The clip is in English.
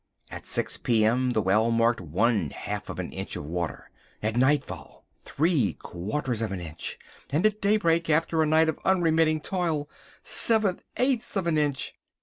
At six p.m. the well marked one half an inch of water, at nightfall three quarters of an inch, and at daybreak, after a night of unremitting toil, seven eighths of an inch.